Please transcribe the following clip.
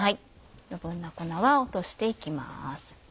余分な粉は落として行きます。